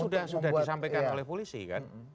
sudah sudah disampaikan oleh polisi kan